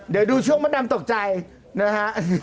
เดี๋ยวดูช่วงมดดำตกใจนะฮะ